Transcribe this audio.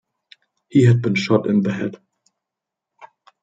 He had been shot in the head.